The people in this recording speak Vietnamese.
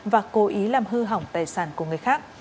và cố ý làm hư hỏng tài sản của người khác